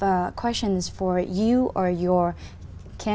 và chúng có nhiều phổ biến